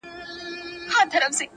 د دې رنګونو له بازار سره مي نه لګیږي!!